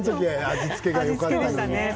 味付けがよかったのに。